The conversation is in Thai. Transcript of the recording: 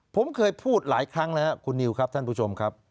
ผมเคยพูดหลายครั้งแล้วครับคุณนิวครับท่านผู้ชมครับ